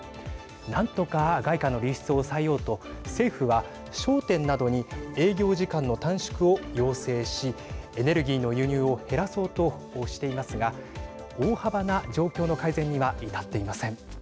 何とか外貨の流出を抑えようと政府は商店などに営業時間の短縮を要請しエネルギーの輸入を減らそうとしていますが大幅な状況の改善には至っていません。